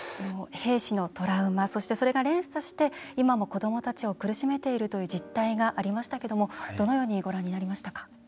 兵士のトラウマそして、それが連鎖して今も子どもたちを苦しめているという実態がありましたけどどのようにご覧になりましたか？